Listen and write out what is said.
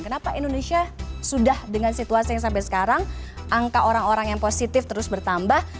kenapa indonesia sudah dengan situasi yang sampai sekarang angka orang orang yang positif terus bertambah